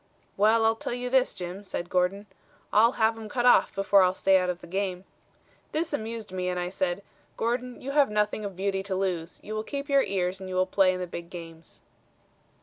'Well, I'll tell you this, Jim,' said Gordon, 'I'll have 'em cut off before I'll stay out of the game.' This amused me, and I said, 'Gordon, you have nothing of beauty to lose. You will keep your ears and you will play in the big games.'